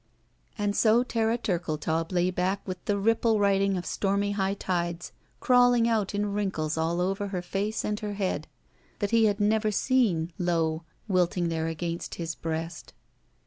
And so Sara Turkletaub lay back witii the ripple writing of stormy high tides crawling out in wrinkles all over her face and her head, that he had never seen low, wilting there against his breast.